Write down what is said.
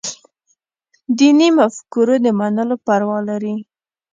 دیني مفکورو د منلو پروا لري.